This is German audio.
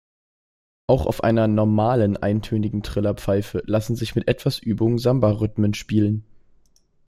Auch auf einer „normalen“ eintönigen Trillerpfeife lassen sich mit etwas Übung Samba-Rhythmen spielen.